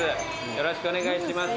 よろしくお願いします。